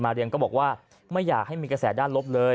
เรียงก็บอกว่าไม่อยากให้มีกระแสด้านลบเลย